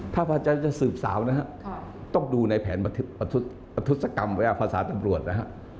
ถ้าพระอาจารย์จะสืบสาวนะฮะต้องดูในแผนประทุศกรรมภาษาตำรวจนะฮะ